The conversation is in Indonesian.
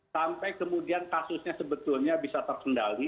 sampai kemudian kasusnya sebetulnya bisa terkendali